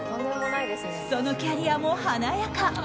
そのキャリアも華やか。